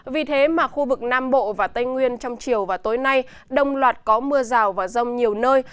vì thế mà khu vực nam bộ và tây nguyên trong chiều và tối nay đông loạt có mưa rào và rông nhiều nơi